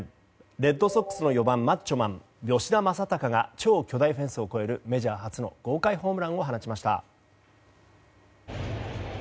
レッドソックスの４番マッチョマン、吉田正尚が超巨大フェンスを越えるメジャー初の豪快ホームランを放ちました。